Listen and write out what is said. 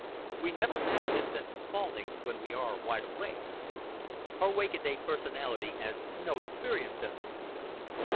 We never have this sense of falling when we are wide awake. Our wake a day personality has no experience of it.